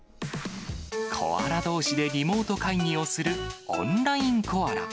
コアラどうしでリモート会議をする、オンラインコアラ。